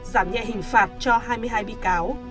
giảm nhẹ hình phạt cho hai mươi hai bị cáo